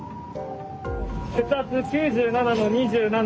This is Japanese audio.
血圧９７の２７。